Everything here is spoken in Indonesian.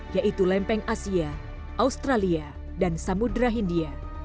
yaitu lempeng asia australia dan samudera hindia